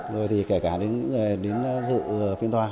rồi thì kể cả đến dự phiên tòa